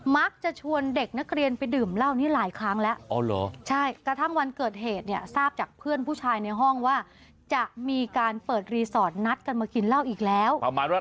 มักจะชวนเด็กนักเรียนไปดื่มเหล้านี้หลายครั้งแล้ว